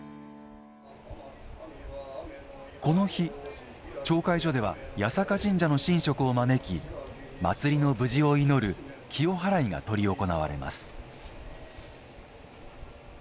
この日、町会所では八坂神社の神職を招き祭りの無事を祈る清祓が執り行われます。